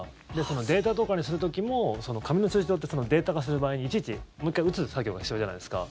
データとかにする時も紙の通帳ってデータ化する場合にいちいち、もう１回打つ作業が必要じゃないですか。